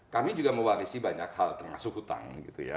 kami juga mewarisi banyak hal termasuk hutang gitu ya